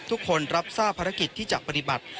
ทุกคนรับทราบภารกิจที่จะปฏิบัติ